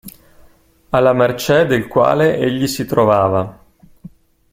Alla mercè del quale egli si trovava.